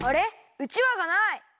うちわがない！